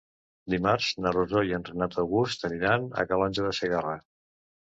Dimarts na Rosó i en Renat August aniran a Calonge de Segarra.